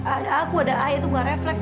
ada aku ada ayah itu gak refleks